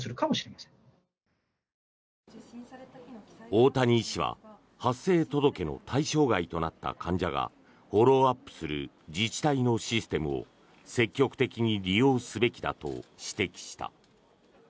大谷医師は発生届の対象外となった患者がフォローアップする自治体のシステムを積極的に利用すべきだと指摘した。